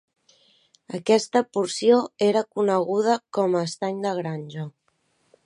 Aquesta porció era coneguda com a estany de granja.